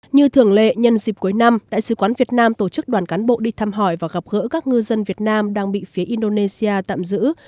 như thường lệ nhân dịp cuối năm đại sứ quán việt nam tổ chức đoàn cán bộ đi thăm hỏi và gặp gỡ các ngư dân việt nam đang bị phía indonesia tạm giữ